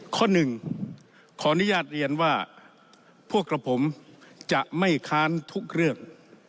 ข้อหนึ่งขออนุญาตเรียนว่าพวกกับผมจะไม่ค้านทุกเรื่อง